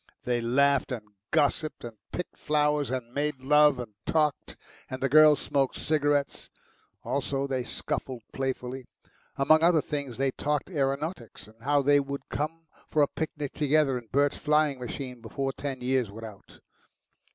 They laughed and gossiped and picked flowers and made love and talked, and the girls smoked cigarettes. Also they scuffled playfully. Among other things they talked aeronautics, and how thev would come for a picnic together in Bert's flying machine before ten years were out.